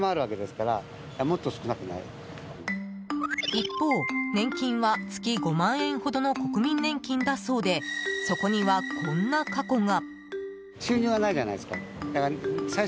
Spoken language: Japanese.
一方、年金は月５万円ほどの国民年金だそうでそこには、こんな過去が。